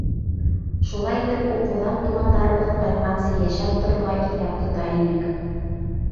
Шулай итеп, уҡыуҙан туғандарыбыҙ ҡайтҡансы йәшәп торорға иҫәп тота инек.